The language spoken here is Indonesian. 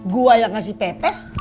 gua yang ngasih pepes